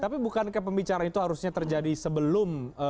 tapi bukan kepembicaraan itu harusnya terjadi sebelumnya